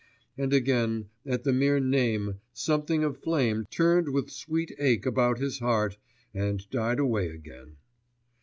And again at the mere name something of flame turned with sweet ache about his heart and died away again.